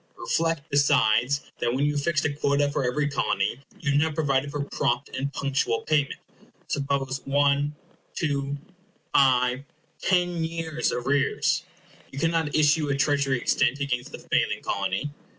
Reflect, besides, that when you have fixed a quota for every Colony, you have not provided for prompt and punctual payment. Suppose one, two, five, ten years' arrears. You cannot issue a Treasury Extent against the failing Colony.